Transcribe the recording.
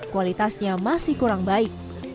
kualitasnya masih kurang baik